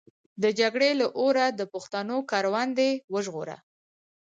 د جګړې له اوره د پښتنو کروندې وژغوره.